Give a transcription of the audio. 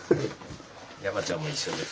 山ちゃんも一緒です。